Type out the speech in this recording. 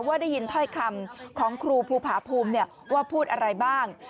ว่าได้ยินถ้อยคำของครูภูผาภูมิว่าพูดอะไรบ้าง